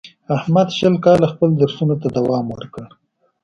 احمد شل کاله خپلو درسونو ته دوام ورکړ.